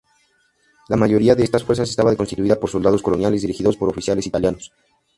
La mayoría de estas fuerzas estaba constituida por soldados coloniales dirigidos por oficiales italianos.